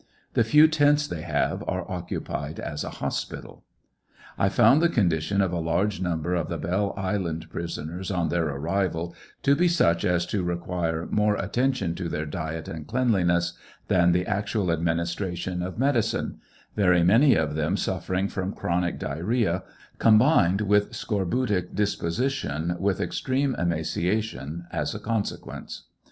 The few teats they have are occupied as a hospital. «#» j found the condition of a large number of the Belle Island prisoners on their anival to be such as to require piore attention to their diet and cleanliness than the actual administration of medicine, very many of them suffering from chronic diarrhcea, combined with scorbutic disposition with extreme emaciation, as a consequence.